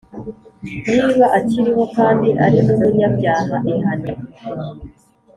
niba akiriho, kandi ari n’umunyabyaha ihane